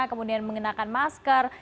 kemudian menggunakan masker